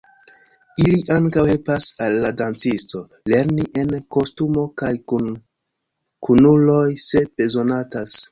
Ili ankaŭ helpas al la dancisto lerni en kostumo kaj kun kunuloj, se bezonatas.